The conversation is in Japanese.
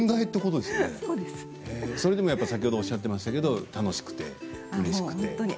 それでもやっぱり先ほどおっしゃっていましたけども楽しくて、うれしくて。